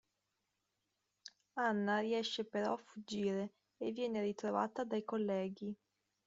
Anna riesce però a fuggire e viene ritrovata dai colleghi.